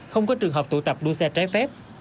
không có trường hợp tụ tập đua xe trái phép